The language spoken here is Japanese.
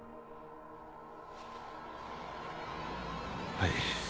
はい。